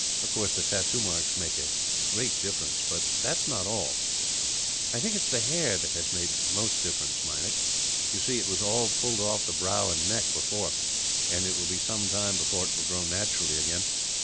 Of course, the tattoo marks made a great difference, but that is not all." "I think it is the hair that has made most difference, Meinik. You see, it was all pulled off the brow and neck, before; and it will be some time before it will grow naturally again.